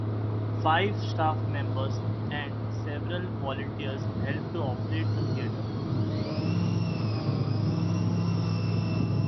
Five staff members and several volunteers help to operate the Theatre.